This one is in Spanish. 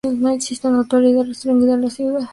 No existe una autoridad restringida a la ciudad.